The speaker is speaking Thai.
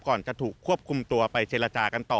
จะถูกควบคุมตัวไปเจรจากันต่อ